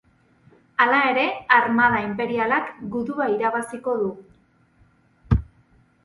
Hala ere, armada inperialak gudua irabaziko du.